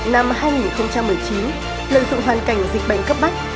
năm hai nghìn một mươi chín lợi dụng hoàn cảnh dịch bệnh cấp bách